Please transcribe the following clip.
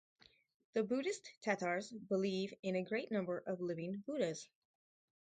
The Buddhist Tatars believe in a great number of living Buddhas.